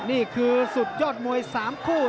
นี่คือสุดยอดมวย๓คู่